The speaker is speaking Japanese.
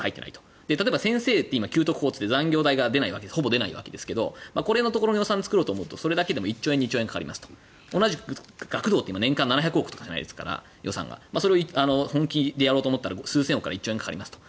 例えば、先生は給特法といって残業代がほぼ出ないわけでこれのところの予算を作ろうと思うとそれだけでも１兆円、２兆円かかりますと同じく学童とかって年間４００億とかですからそれを本気でやろうと思ったら数兆円かかりますと。